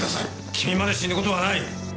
君まで死ぬ事はない。